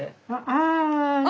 ああ！